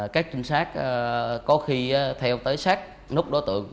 các trinh sát có khi theo tới sát nút đối tượng